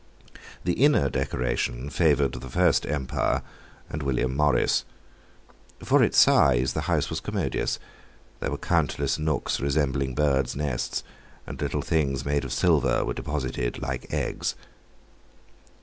The inner decoration favoured the First Empire and William Morris. For its size, the house was commodious; there were countless nooks resembling birds' nests, and little things made of silver were deposited like eggs.